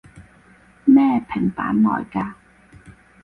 咩平板來㗎？